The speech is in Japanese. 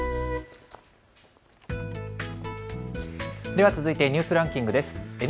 では続いてニュースランキングです。